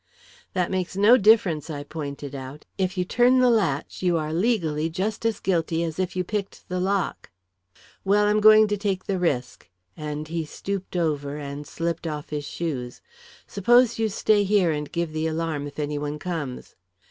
"That makes no difference," I pointed out. "If you turn the latch, you are, legally, just as guilty as if you picked the lock." "Well, I'm going to take the risk," and he stooped over and slipped off his shoes. "Suppose you stay here and give the alarm if any one comes."